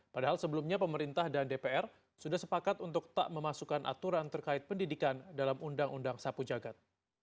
padahal sebelumnya pemerintah dan dpr sudah sepakat untuk tak memasukkan aturan terkait pendidikan dalam undang undang sapu jagat